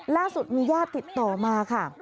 ล่าสุดมีญาติติดต่อมาค่ะ